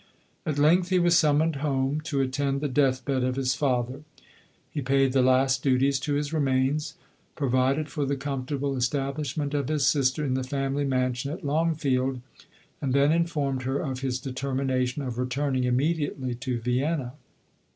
At length, he was summoned home to attend the death bed of his father. He paid the last duties to his re mains, provided for the comfortable establish ment of his sister in the family mansion at Longfield, and then informed her of his deter mination of returning immediately to Vienna.